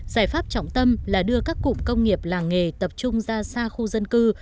giải pháp trọng tâm là đưa các cụm công nghiệp làng nghề tập trung ra xa khu dân cư